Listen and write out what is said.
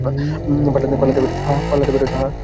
পালাতে পেরেছ, হাহ?